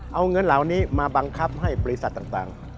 เอาเงินเหล่านี้มาบังคับให้บริษัทต่าง